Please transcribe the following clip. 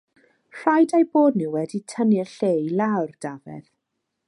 Rhaid eu bod nhw wedi tynnu'r lle i lawr, Dafydd!